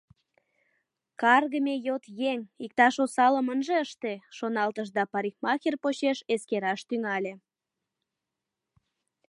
«Каргыме йот еҥ, иктаж осалым ынже ыште», — шоналтыш да парикмахер почеш» эскераш тӱҥале.